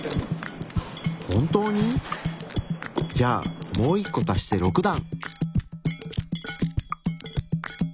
本当に⁉じゃあもう１個足して６段！